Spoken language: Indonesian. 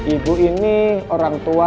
ibu ini orang tua